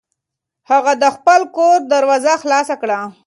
هغه د خپل کور دروازه خلاصه کړه.